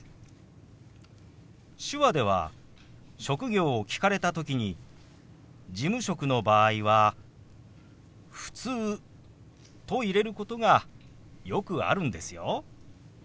手話では職業を聞かれた時に事務職の場合は「ふつう」と入れることがよくあるんですよ。